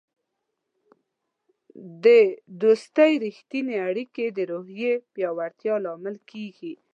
د دوستی رښتیني اړیکې د روحیې پیاوړتیا لامل کیږي.